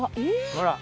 ほら。